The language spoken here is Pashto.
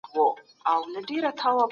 عدالت له ظلم څخه غوره دی.